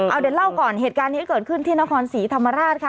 เอาเดี๋ยวเล่าก่อนเหตุการณ์นี้เกิดขึ้นที่นครศรีธรรมราชค่ะ